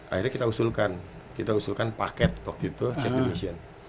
akhirnya kita usulkan kita usulkan paket waktu itu safety mission